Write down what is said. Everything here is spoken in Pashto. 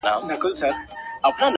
• له خدای وطن سره عجیبه مُحبت کوي،